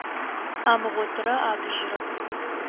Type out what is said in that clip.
Амыгъотырэ атыжьырэп.